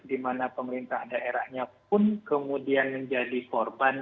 di mana pemerintah daerahnya pun kemudian menjadi korban